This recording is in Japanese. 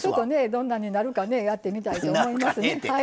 どんなんになるかねやってみたいと思います。